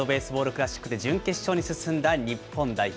クラシックで準決勝に進んだ日本代表。